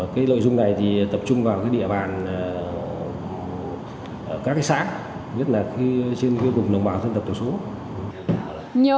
cái nội dung này thì tập trung vào cái địa bàn các cái xã nhất là trên cái cục nông bào dân tập tổ số